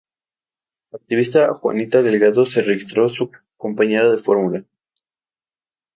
La activista Juanita Delgado se registró su compañera de fórmula.